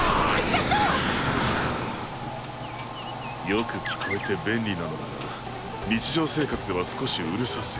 よく聞こえて便利なのだが日常生活では少しうるさすぎる。